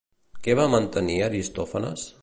Què va mantenir Aristòfanes?